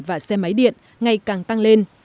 và xe máy điện ngày càng tăng lên